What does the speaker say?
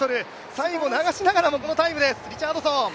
最後流しながらもこのタイムです、リチャードソン。